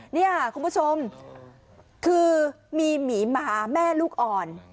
นี่ค่ะคุณผู้ชมคือมีหมีหมาแม่ลูกอ่อน